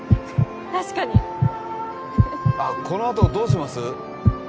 確かにあっこのあとどうします？